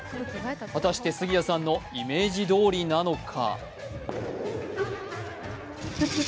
果たして、杉谷さんのイメージどおりなのか？